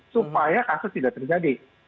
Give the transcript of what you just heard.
supaya kasus tidak terjadi